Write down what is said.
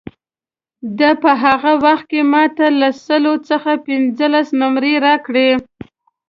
ده په هغه وخت کې ما ته له سلو څخه پنځلس نمرې راکړې.